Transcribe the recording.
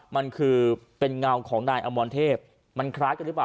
มันคือเป็นเงาของนายอมรเทพมันคล้ายกันหรือเปล่า